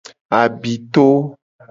Abito.